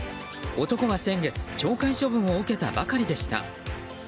男は先月、懲戒処分を受けたばかりでした。